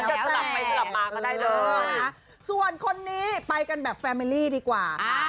หรือจะสลับมาก็ได้เลยฮะส่วนคนนี้ไปกันแบบแฟมิลี่ดีกว่าค่ะ